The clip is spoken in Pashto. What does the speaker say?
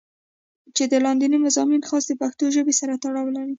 چې دا لانديني مضامين خاص د پښتو ژبې سره تړون لري